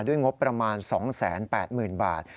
ด้วยงบประมาณ๒๘๐๐๐๐บาท